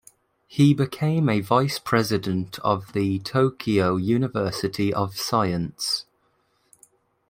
He became a Vice President of the Tokyo University of Science.